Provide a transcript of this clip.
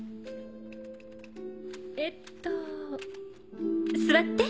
えっと座って？